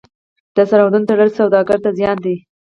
د سرحدونو تړل سوداګر ته زیان دی.